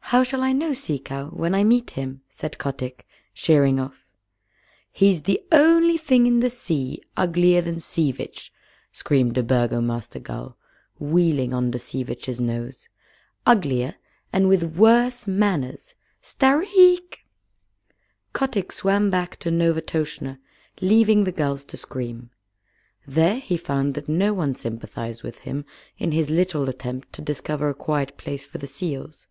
"How shall I know Sea Cow when I meet him?" said Kotick, sheering off. "He's the only thing in the sea uglier than Sea Vitch," screamed a Burgomaster gull, wheeling under Sea Vitch's nose. "Uglier, and with worse manners! Stareek!" Kotick swam back to Novastoshnah, leaving the gulls to scream. There he found that no one sympathized with him in his little attempt to discover a quiet place for the seals.